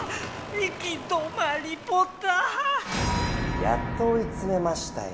行き止まりポタ！やっとおいつめましたよ。